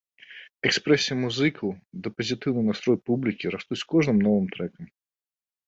Экспрэсія музыкаў ды пазітыўны настрой публікі растуць з кожным новым трэкам.